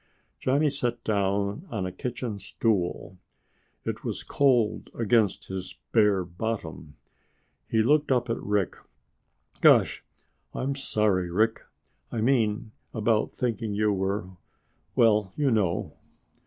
Johnny sat down on a kitchen stool. It was cold against his bare bottom. He looked up at Rick. "Gosh, I'm sorry, Rick. I mean about thinking you were well you know."